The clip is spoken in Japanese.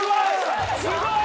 すごい！